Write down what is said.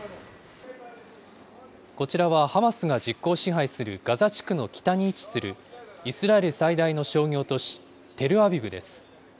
こちらは、ハマスが実効支配するガザ地区の北に位置する、イスラエル最大の商業都市、テルアビブです。